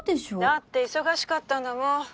だって忙しかったんだもん。